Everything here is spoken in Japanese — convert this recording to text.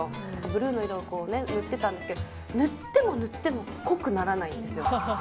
ブルーの色を塗ってたんですけど塗っても塗っても濃くならないんですよ。